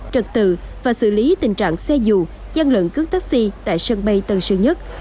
trật tự và xử lý tình trạng xe dù gian lận cướp taxi tại sân bay tân sơn nhất